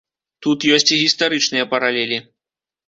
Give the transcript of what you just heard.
Тут ёсць і гістарычныя паралелі.